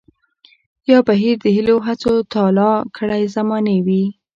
يا بهير د هيلو هڅو تالا کړے زمانې وي